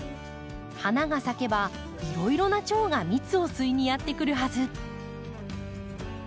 花が咲けばいろいろなチョウが蜜を吸いにやって来るはず。